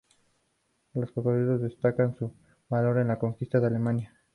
Las crónicas destacan su valor en la conquista de Almería.